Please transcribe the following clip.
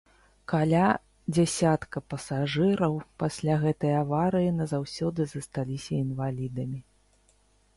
Каля дзясятка пасажыраў пасля гэтай аварыі назаўсёды засталіся інвалідамі.